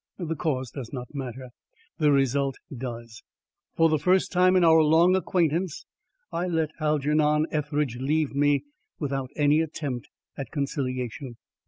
The cause does not matter, the result does. For the first time in our long acquaintance, I let Algernon Etheridge leave me, without any attempt at conciliation.